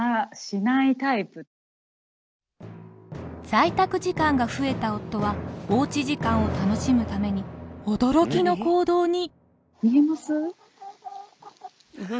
在宅時間が増えた夫はおうち時間を楽しむために驚きの行動に。